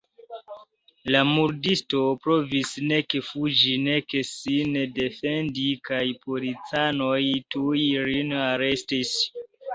La murdisto provis nek fuĝi nek sin defendi kaj policanoj tuj lin arestis.